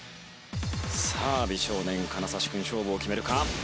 さあ美少年金指君勝負を決めるか？